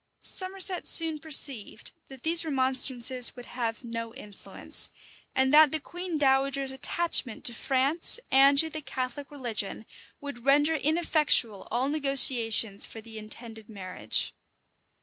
[*] Somerset soon perceived that these remonstrances would have no influence; and that the queen dowager's attachment to France and to the Catholic religion would render ineffectual all negotiations for the intended marriage.